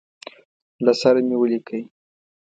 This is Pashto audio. له سره مي ولیکی.